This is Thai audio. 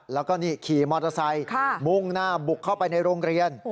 แล้วก็นี่ขี่มอเตอร์ไซค์มุ่งหน้าบุกเข้าไปในโรงเรียน